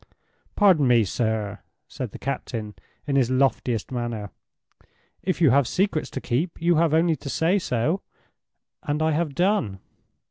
"Pardon me, sir," said the captain, in his loftiest manner. "If you have secrets to keep, you have only to say so, and I have done.